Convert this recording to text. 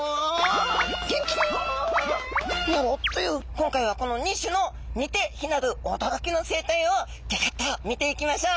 今回はこの２種の似て非なるおどろきの生態をギョギョッと見ていきましょう！